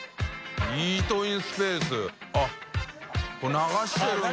「イートインスペース」これ流してるんだ！